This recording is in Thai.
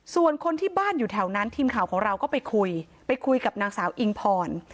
ส่วนคนที่บ้านอยู่แถวนั้นทีมข่าวของเราก็ไปคุยไปคุยกับนางสาวอิงพร